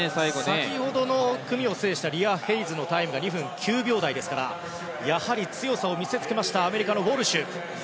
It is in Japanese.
先ほどの組を制したリア・ヘイズのタイムが２分９秒台ですからやはり強さを見せつけましたアメリカのウォルシュ。